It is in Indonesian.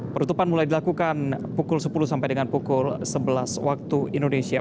penutupan mulai dilakukan pukul sepuluh sampai dengan pukul sebelas waktu indonesia